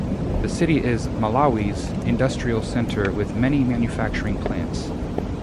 The city is Malawi's industrial centre with many manufacturing plants.